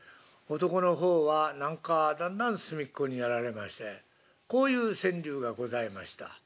男の方は何かだんだん隅っこにやられましてこういう川柳がございました。